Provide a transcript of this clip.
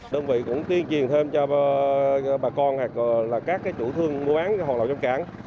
đơn vị cũng tuyên truyền thêm cho bà con các chủ thương mua bán hồ lậu trong cảng